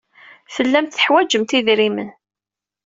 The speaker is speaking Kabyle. Tellamt teḥwajemt idrimen.